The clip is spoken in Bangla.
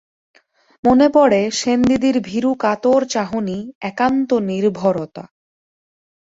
মনে পড়ে সেনদিদির ভীরু কাতর চাহনি, একান্ত নির্ভরতা।